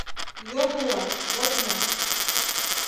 Його улат, вот мо!